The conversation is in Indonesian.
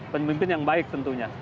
pemimpin yang baik tentunya